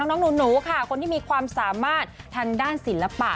น้องหนูค่ะคนที่มีความสามารถทางด้านศิลปะ